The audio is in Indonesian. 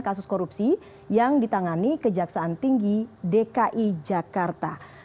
kasus korupsi yang ditangani kejaksaan tinggi dki jakarta